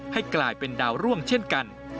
ให้กลายเป็นดาวร่วงเช่นกัน